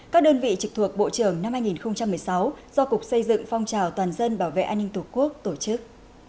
các đơn vị trực thuộc bộ trưởng năm hai nghìn một mươi sáu do cục xây dựng phong trào toàn dân bảo vệ an ninh tổ quốc tổ chức